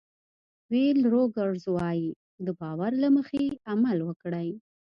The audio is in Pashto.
ویل روګرز وایي د باور له مخې عمل وکړئ.